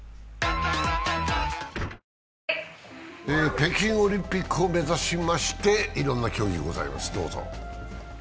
北京オリンピックを目指しましていろんな競技ございます。